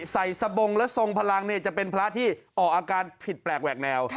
สบงและทรงพลังจะเป็นพระที่ออกอาการผิดแปลกแหวกแนว